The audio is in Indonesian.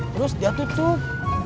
terus dia tutup